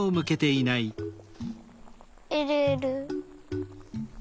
えるえる。